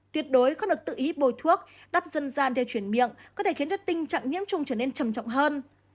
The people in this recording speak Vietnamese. tuyệt đối không được tự hít bồi thuốc đắp dân gian theo chuyển miệng có thể khiến tình trạng nhiễm chủng trở nên trầm trọng hơn